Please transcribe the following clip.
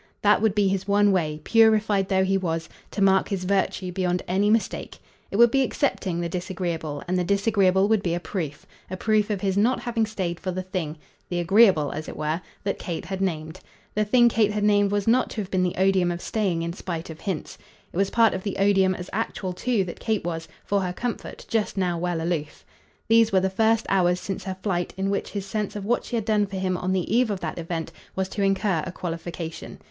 That would be his one way, purified though he was, to mark his virtue beyond any mistake. It would be accepting the disagreeable, and the disagreeable would be a proof; a proof of his not having stayed for the thing the agreeable, as it were that Kate had named. The thing Kate had named was not to have been the odium of staying in spite of hints. It was part of the odium as actual too that Kate was, for her comfort, just now well aloof. These were the first hours since her flight in which his sense of what she had done for him on the eve of that event was to incur a qualification.